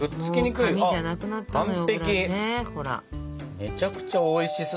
めちゃくちゃおいしそう。